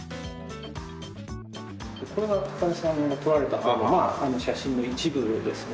これが高田さんが撮られたほうの写真の一部ですね。